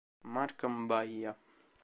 Marc M'Bahia